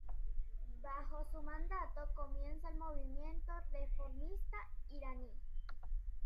Bajo su mandato comienza el movimiento reformista iraní.